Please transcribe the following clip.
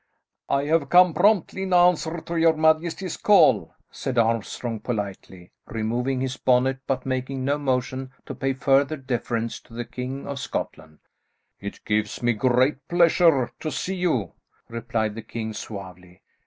"I have come promptly in answer to your majesty's call," said Armstrong, politely removing his bonnet, but making no motion to pay further deference to the King of Scotland. "It gives me great pleasure to see you," replied the king, suavely.